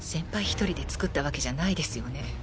一人で造ったわけじゃないですよね？